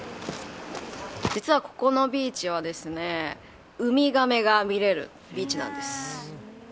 実はここのビーチはウミガメが見れるビーチなんです。